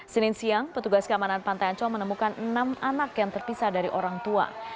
senin siang petugas keamanan pantai ancol menemukan enam anak yang terpisah dari orang tua